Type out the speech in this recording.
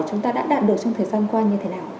chúng ta đã đạt được trong thời gian qua như thế nào